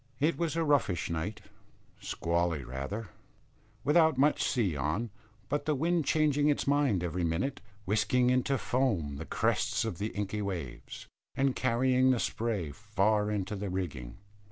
It was a roughish night, squally rather, without much sea on, but the wind changing its mind every minute, whisking into foam the crests of the inky waves, and carrying the spray far into the rigging.